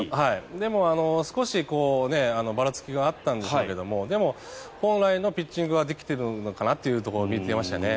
でも、少しばらつきがあったんですがでも、本来のピッチングはできてるのかなと見てましたね。